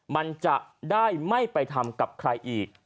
มันจะได้ไม่ไปทำกับใครอีก